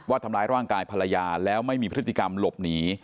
ทำร้ายร่างกายภรรยาแล้วไม่มีพฤติกรรมหลบหนี